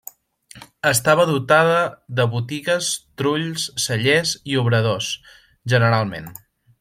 Estava dotada de botigues, trulls, cellers i obradors, generalment.